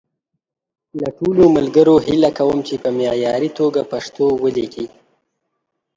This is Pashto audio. له ټولو ملګرو هیله کوم چې په معیاري توګه پښتو وليکي.